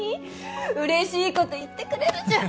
嬉しいこと言ってくれるじゃん